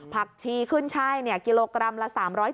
ผักชีขึ้นช่ายกิโลกรัมละ๓๐